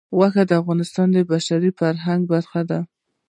غوښې د افغانستان د بشري فرهنګ برخه ده.